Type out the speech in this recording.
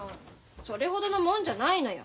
それほどのもんじゃないのよ。